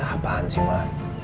apaan sih ma